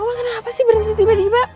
wah kenapa sih berhenti tiba tiba